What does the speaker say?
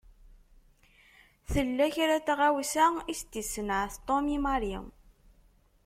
Tella kra n tɣawsa i s-d-isenɛet Tom i Mary.